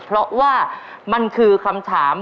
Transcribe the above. เพราะว่ามันคือคำถาม